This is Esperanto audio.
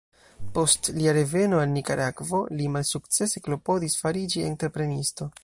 Post lia reveno al Nikaragvo li malsukcese klopodis fariĝi entreprenisto.